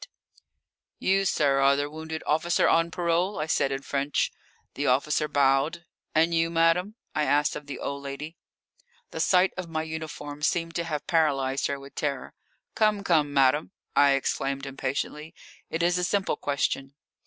"You, sir, are the wounded officer on parole?" I said in French. The officer bowed. "And you, madame?" I asked of the old lady. The sight of my uniform seemed to have paralysed her with terror. "Come, come, madame," I exclaimed impatiently; "it is a simple question."